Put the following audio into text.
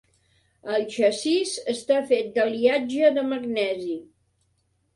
El xassís està fet d'aliatge de magnesi.